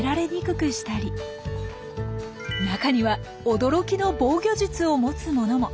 中には驚きの防御術を持つ者も。